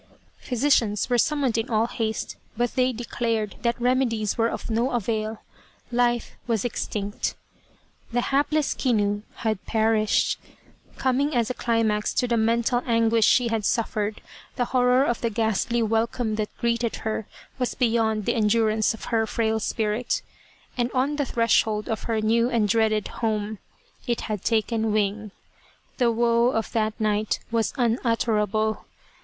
Physicians were summoned in all haste, but they declared that remedies were of no avail life was extinct. The hapless Kinu had perished. Coming as a climax to the mental anguish she had suffered, the horror of the ghastly welcome that had greeted her, was beyond 232 Kinu Returns from the Grave the endurance of her frail spirit, and on the threshold of her new and dreaded home, it had taken wing. The woe of that night was unutterable.